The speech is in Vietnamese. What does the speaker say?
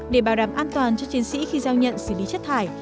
để bảo đảm an toàn cho chiến sĩ khi giao nhận xử lý chất thải